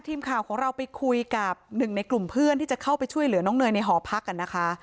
ทีมข่าวของเราไปคุยกับหนึ่งในกลุ่มเพื่อนที่จะเข้าไปช่วยเหลือน้องเนยในหอพักกันนะคะ